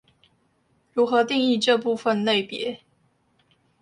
如何定義這部分類別